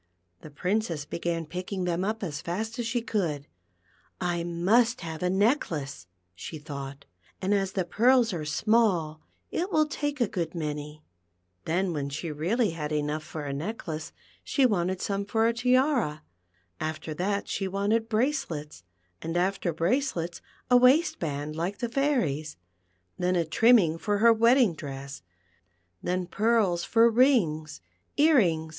The Princess began picking them up as fast as she could. " I must have a necklace," she thought, " and as the pearls are small it will take a good many," Then when she really had enough for a necklace she wanted some for a tiara, after that she wanted bracelets, and after bracelets a waistband like the fairy's, then a trimming for her wedding dress, then pearls for rings, ear rings, THE PEARL FOUXTMX.